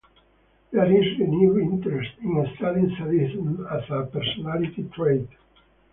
There is renewed interest in studying sadism as a personality trait.